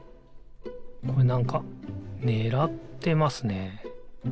これなんかねらってますね。